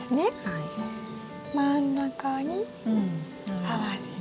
真ん中に合わせて。